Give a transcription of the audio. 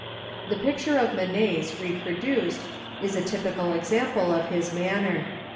The picture of Manet's reproduced is a typical example of his manner.